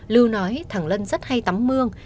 lưu nói thằng lân rất hay tắm mương